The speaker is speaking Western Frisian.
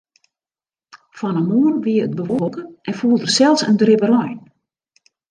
Fan 'e moarn wie it bewolke en foel der sels in drip rein.